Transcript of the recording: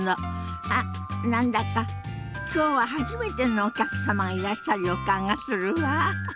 あっ何だか今日は初めてのお客様がいらっしゃる予感がするわ。